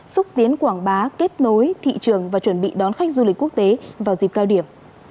xúc tiến quảng bá kết nối thị trường và chuẩn bị đón khách du lịch quốc tế vào dịp cao điểm